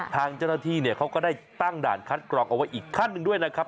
ทางเจ้าหน้าที่เนี่ยเขาก็ได้ตั้งด่านคัดกรองเอาไว้อีกขั้นหนึ่งด้วยนะครับ